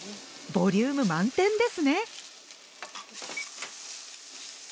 ボリューム満点ですね。